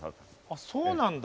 あそうなんだ。